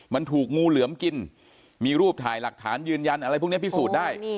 มันถูกงูเหลือมกินมีรูปถ่ายหลักฐานยืนยันอะไรพวกนี้พิสูจน์ได้